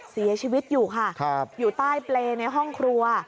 เสียชีวิตอยู่ค่ะอยู่ใต้เปรย์ในห้องครัว